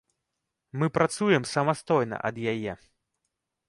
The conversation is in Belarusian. Мы працуем самастойна ад яе.